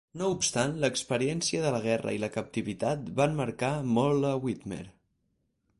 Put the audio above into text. No obstant, l'experiència de la guerra i la captivitat van marcar molt a Widmer.